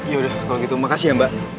ya udah kalau gitu makasih ya mbak